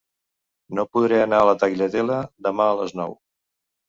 No podré anar a la Tagliatella demà a les nou.